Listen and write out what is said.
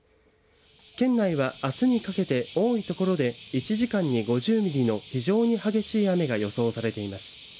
県内はあすにかけて多い所で１時間に５０ミリの非常に激しい雨が予想されています。